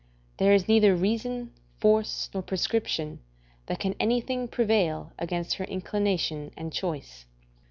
There is neither reason, force, nor prescription that can anything prevail against her inclination and choice.